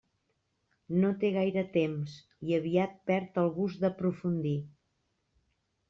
No té gaire temps, i aviat perd el gust d'aprofundir.